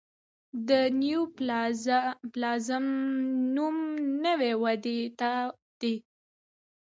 د نیوپلازم نوم نوي ودې ته دی.